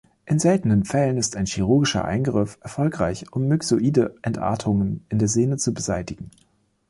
In seltenen Fällen ist ein chirurgischer Eingriff erforderlich, um myxoide Entartungen in der Sehne zu beseitigen.